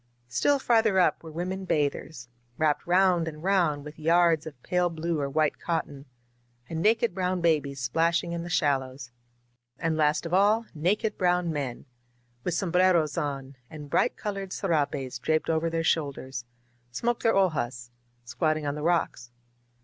Still farther up were women bathers, wrapped round and round with yards of pale blue or white cotton, and naked brown babies splashing in the shallows. And, last of all, naked brown men, with sombreros on and bright colored serapes draped over their shoulders, smoked their hojaSt squatting on the rocks.